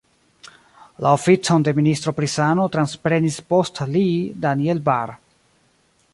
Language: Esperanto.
La oficon de ministro pri sano transprenis post li Daniel Bahr.